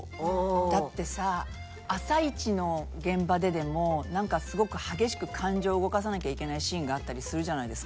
だってさ朝イチの現場ででもなんかすごく激しく感情を動かさなきゃいけないシーンがあったりするじゃないですか。